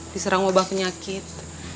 diserang wabah penyakit